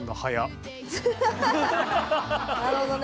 なるほどね。